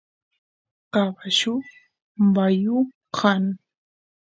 caballu bayu kan